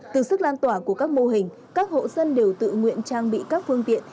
từ sức lan tỏa của các mô hình các hộ dân đều tự nguyện trang bị các phương tiện